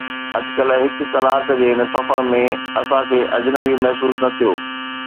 اٽڪل هڪ ڪلاڪ جي هن سفر ۾، اسان کي اجنبي محسوس نه ٿيو.